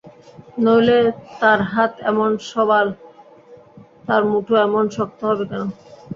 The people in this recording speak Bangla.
নইলে তার হাত এমন সবল, তার মুঠো এমন শক্ত হবে কেন?